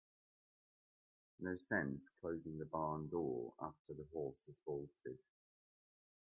No sense closing the barn door after the horse has bolted.